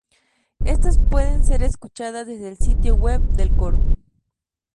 Estas pueden ser escuchadas desde el sitio web del coro.